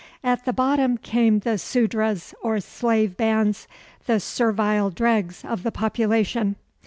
At the bottom came the Sudras, or slave bands, the servile dregs of the population.